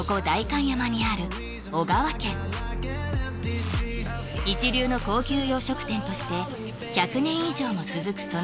代官山にある小川軒一流の高級洋食店として１００年以上も続く